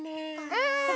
うん！